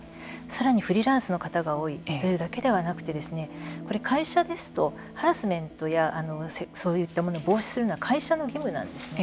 さらにフリーランスの方が多いというだけではなくて会社ですとハラスメントやそういったものを防止するのは会社の役割なんですね。